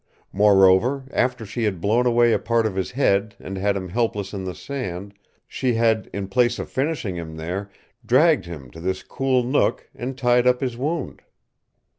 Moreover, after she had blown away a part of his head and had him helpless in the sand, she had in place of finishing him there dragged him to this cool nook and tied up his wound.